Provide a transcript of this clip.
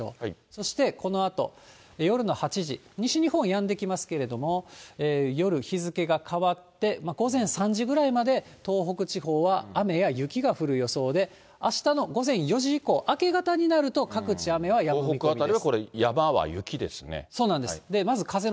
そしてこのあと、夜の８時、西日本やんできますけれども、夜、日付が変わって、午前３時ぐらいまで東北地方は雨や雪が降る予想で、あしたの午前４時以降、明け方になると、各地、東北辺りはこれ、山は雪ですそうなんです。